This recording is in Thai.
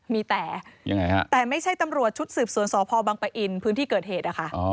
มีแต่แต่ไม่ใช่ตำรวจชุดสืบสวนสอพอบังปะอินพื้นที่เกิดเหตุ